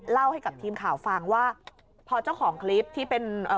เล่าให้กับทีมข่าวฟังว่าพอเจ้าของคลิปที่เป็นเอ่อ